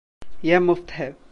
यह मुफ़्त है।